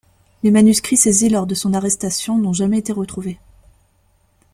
Les manuscrits saisis lors de son arrestation n’ont jamais été retrouvés.